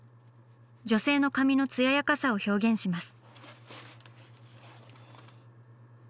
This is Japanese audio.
女性の髪の艶やかさを表現します。